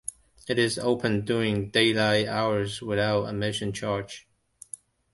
It is open during daylight hours without admission charge.